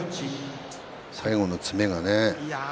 最後の詰めがね。